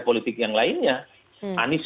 politik yang lainnya anies